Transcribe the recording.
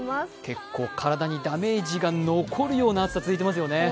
結構体にダメージが残るような暑さ、続いていますよね。